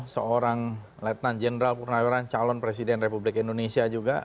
seorang lieutenant general purnaweran calon presiden republik indonesia juga